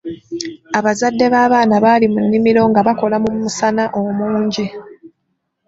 Abazadde b'abaana baali mu nnimiro nga bakola mu musana omungi.